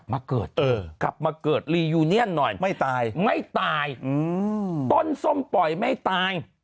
แม่กลับมาเกิดรียูเนียนหน่อยไม่ตายต้นส้มป่อยไม่ตาย